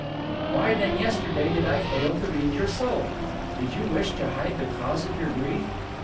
"Why, then, yesterday, did I fail to read your soul? Did you wish to hide the cause of your grief?